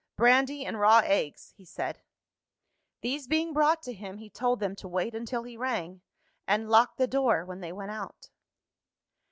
"Brandy, and raw eggs," he said. These being brought to him, he told them to wait until he rang and locked the door when they went out.